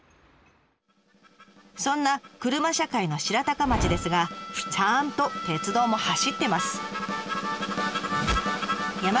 そんな車社会の白鷹町ですがちゃんと鉄道も走ってます。